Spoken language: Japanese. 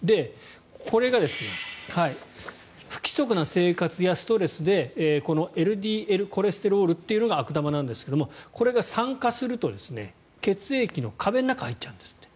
これが不規則な生活やストレスでＬＤＬコレステロールというのが悪玉なんですがこれが酸化すると血液の壁の中に入っちゃうんですって。